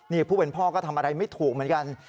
นี่ผู้เป็นพ่อก็ทำอะไรไม่ถูกเหมือนกัน